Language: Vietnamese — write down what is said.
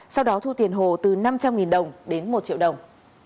sau đó thu tiền hồ từ năm trăm linh đồng đến một triệu đồng